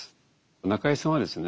中井さんはですね